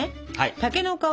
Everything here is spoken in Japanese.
竹の皮も。